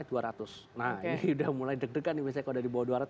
nah ini udah mulai deg degan nih misalnya kalau udah di bawah dua ratus